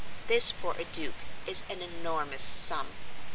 This for a duke, is an enormous sum.